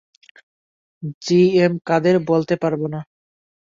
জি M Quader বলতে পারব না।